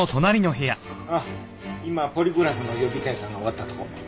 あっ今ポリグラフの予備検査が終わったとこ。